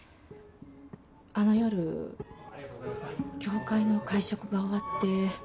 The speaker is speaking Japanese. あの夜協会の会食が終わって。